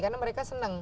karena mereka senang